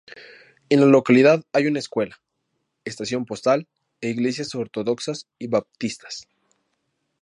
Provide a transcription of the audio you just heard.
En la localidad hay una escuela, estación postal, e iglesias ortodoxas y baptistas.